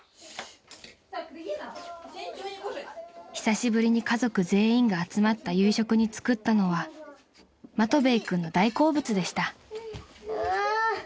［久しぶりに家族全員が集まった夕食に作ったのはマトヴェイ君の大好物でした］